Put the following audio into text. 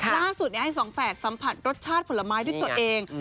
ล่าสุดให้สองแฝดสัมผัสรสชาติผลไม้ด้วยตัวเอง